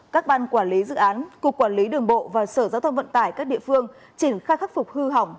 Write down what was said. các ban quản lý dự án cục quản lý đường bộ và sở giao thông vận tải các địa phương triển khai khắc phục hư hỏng